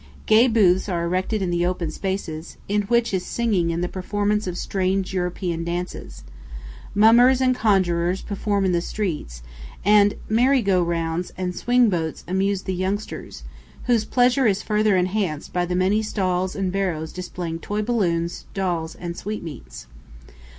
Gay booths are erected in the open spaces, in which is singing and the performance of strange Eastern dances. Mummers and conjurers perform in the streets, and merry go rounds and swing boats amuse the youngsters, whose pleasure is further enhanced by the many stalls and barrows displaying toy balloons, dolls, and sweetmeats.